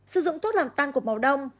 sử dụng thuốc làm tăng cục máu đông